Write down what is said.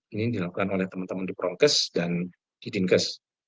ini dilakukan oleh teman teman di prokes dan di dinkes